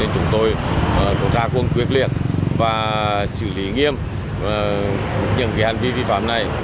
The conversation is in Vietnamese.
chúng tôi ra quân quyết liệt và xử lý nghiêm những hành vi vi phạm này